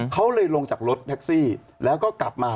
เขาเลยลงจากรถแท็กซี่แล้วก็กลับมา